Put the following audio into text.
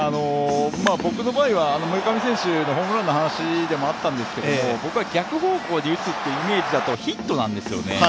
僕の場合は、村上選手のホームランの話でもあったんですけど、僕は逆方向に打つというイメージだとヒットなんですよね。